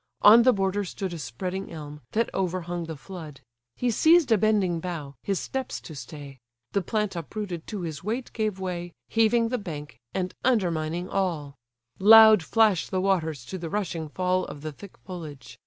On the border stood A spreading elm, that overhung the flood; He seized a bending bough, his steps to stay; The plant uprooted to his weight gave way. Heaving the bank, and undermining all; Loud flash the waters to the rushing fall Of the thick foliage.